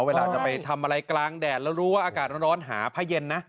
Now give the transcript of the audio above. เวลาจะไปทำอะไรกลางแดดแล้วรู้ว่าอากาศร้อนหาผ้าเย็นนะ